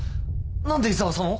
何で井沢さんを？